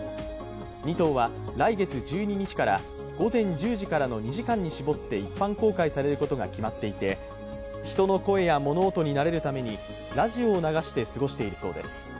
２頭は来月１２日から午前１０時からの２時間に絞って一般公開されることが決まっていて、人の声や物音に慣れるためにラジオを流して過ごしているそうです。